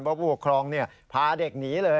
เพราะผู้ปกครองพาเด็กหนีเลย